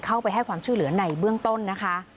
เข้าไปให้ความช่วยเหลือในเบื้องต้นนะคะ